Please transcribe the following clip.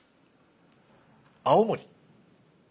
青森。